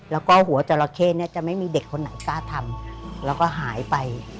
แล้วก็หัวจราเข้เนี่ยจะไม่มีเด็กคนไหนกล้าทำแล้วก็หายไป